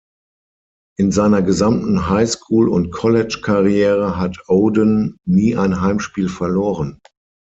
In seiner gesamten High School- und College-Karriere hat Oden nie ein Heimspiel verloren.